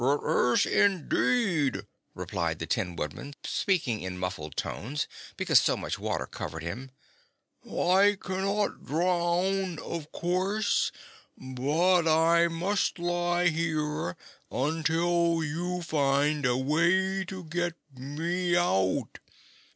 "It is, indeed," replied the Tin Woodman, speaking in muffled tones because so much water covered him. "I cannot drown, of course, but I must lie here until you find a way to get me out.